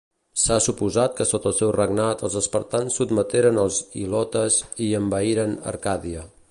S'ha suposat que sota el seu regnat els espartans sotmeteren els ilotes i envaïren Arcàdia.